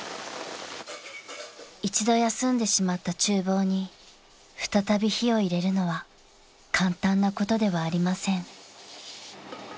［一度休んでしまった厨房に再び火を入れるのは簡単なことではありません］